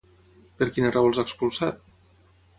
Per quina raó els ha expulsat?